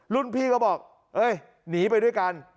พี่ก็บอกเอ้ยหนีไปด้วยกัน